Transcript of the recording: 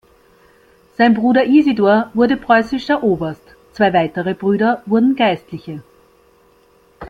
Sein Bruder Isidor wurde preußischer Oberst, zwei weitere Brüder wurden Geistliche.